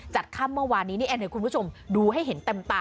ค่ำเมื่อวานนี้นี่คุณผู้ชมดูให้เห็นเต็มตา